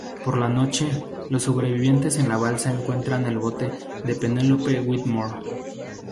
Por la noche, los supervivientes en la balsa encuentran el bote de Penelope Widmore.